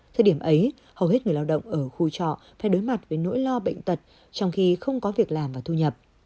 thời điểm ấy hầu hết người lao động ở khu trọ phải đối mặt với nỗi lo bệnh tật trong khi không có việc làm và thu nhập